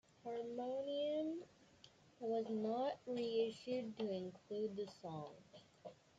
"Harmonium" was not re-issued to include the song.